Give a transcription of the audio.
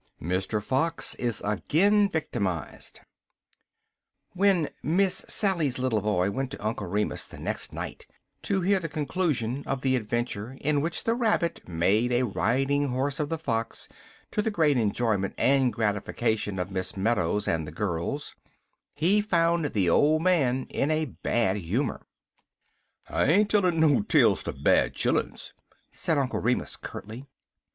MR. FOX IS AGAIN VICTIMIZED WHEN "Miss Sally's" little boy went to Uncle Remus the next night to hear the conclusion of the adventure in which the Rabbit made a riding horse of the Fox to the great enjoyment and gratification of Miss Meadows and the girls, he found the old man in a bad humor. "I ain't tellin' no tales ter bad chilluns," said Uncle Remus curtly.